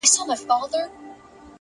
لوړ فکر نوې لارې رامنځته کوي,